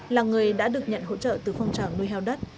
là người đã được nhận hỗ trợ từ phong trào nuôi heo đất